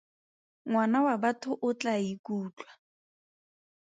Ngwana wa batho o tla ikutlwa.